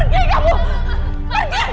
pergi kamu pergi